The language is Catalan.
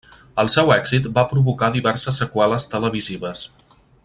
El seu èxit va provocar diverses seqüeles televisives.